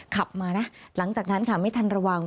ขับมานะหลังจากนั้นค่ะไม่ทันระวัง